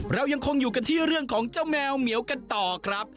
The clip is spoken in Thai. เรายังคงอยู่กันที่เรื่องของเจ้าแมวเหมียวกันต่อครับ